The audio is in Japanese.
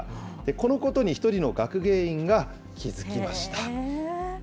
このことに１人の学芸員が気付きました。